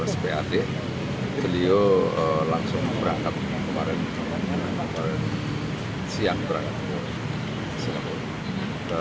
spad beliau langsung berangkat kemarin siang berangkat ke singapura